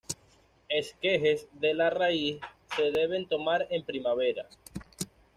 Esquejes de la raíz se deben tomar en primavera.